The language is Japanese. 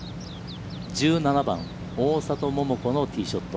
１７番、大里桃子のティーショット。